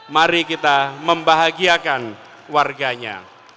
mari kita membahagiakan warganya